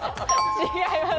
違います。